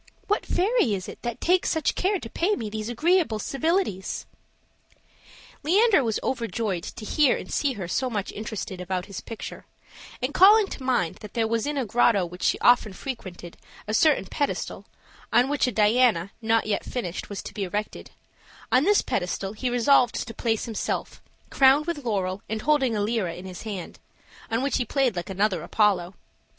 What fairy is it that takes such care to pay me these agreeable civilities?" Leander was overjoyed to hear and see her so much interested about his picture, and calling to mind that there was in a grotto which she often frequented a certain pedestal, on which a Diana, not yet finished, was to be erected, on this pedestal he resolved to place himself, crowned with laurel, and holding a lyre in his hand, on which he played like another Apollo.